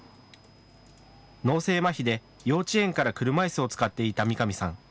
脳性まひで幼稚園から車いすを使っていた三上さん。